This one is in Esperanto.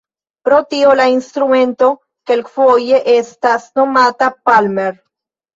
Pro tio la instrumento kelkfoje estas nomata "palmer".